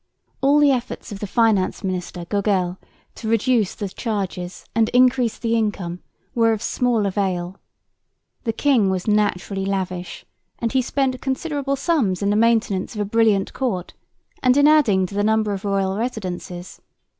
All the efforts of the finance minister Gogel to reduce the charges and increase the income were of small avail. The king was naturally lavish, and he spent considerable sums in the maintenance of a brilliant court, and in adding to the number of royal residences.